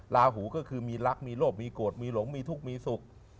ลาหูก็คือมีรักมีโรคมีโกรธมีหลงมีทุกข์มีสุข